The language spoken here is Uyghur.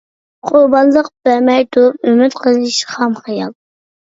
قۇربانلىق بەرمەي تۇرۇپ ئۈمىد قىلىش خام خىيال.